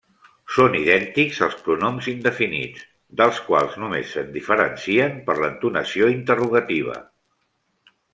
Són idèntics als pronoms indefinits, dels quals només se'n diferencien per l'entonació interrogativa.